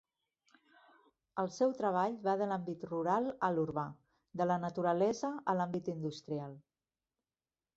El seu treball va de l'àmbit rural a l'urbà, de la naturalesa a l'àmbit l'industrial.